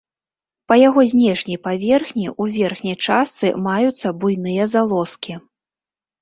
Па яго знешняй паверхні ў верхняй частцы маюцца буйныя залозкі.